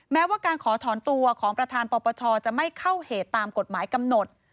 แม้ว่าการขอถอนตัวของประธานปปชจะไม่เข้าเหตุตามกฎหมายกำหนด